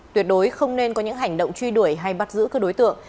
tuyệt đối không nên có những hành động truy đuổi hay bắt giữ các đối tượng